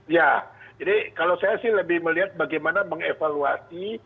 ya jadi kalau saya sih lebih melihat bagaimana mengevaluasi